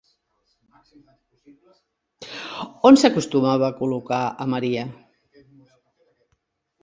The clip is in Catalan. On s'acostumava a col·locar a Maria?